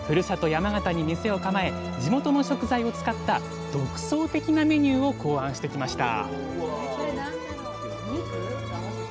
山形に店を構え地元の食材を使った独創的なメニューを考案してきました